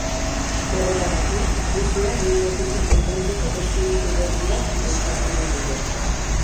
Horretarako, krisia behin betiko konpontzeko testuinguru berri bat bultzatu nahi dute.